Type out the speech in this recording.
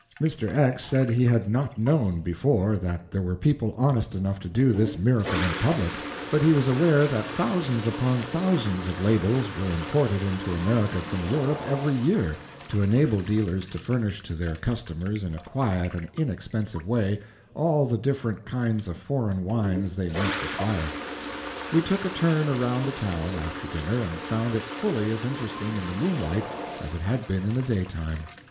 Mr. X said he had not known, before, that there were people honest enough to do this miracle in public, but he was aware that thousands upon thousands of labels were imported into America from Europe every year, to enable dealers to furnish to their customers in a quiet and inexpensive way all the different kinds of foreign wines they might require. We took a turn around the town, after dinner, and found it fully as interesting in the moonlight as it had been in the daytime.